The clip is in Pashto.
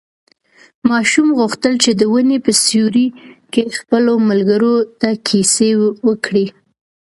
ماشوم غوښتل چې د ونې په سیوري کې خپلو ملګرو ته کیسې وکړي.